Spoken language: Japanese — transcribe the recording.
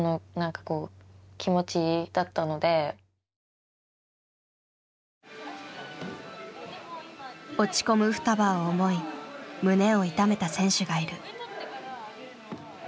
自分がこう落ち込むふたばを思い胸を痛めた選手がいる。